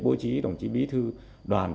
bố trí đồng chí bí thư đoàn